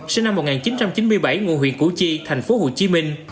sinh năm một nghìn chín trăm chín mươi bảy ngụ huyện củ chi tp hcm